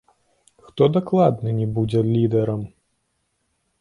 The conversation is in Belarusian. Хто дакладна не будзе лідэрам?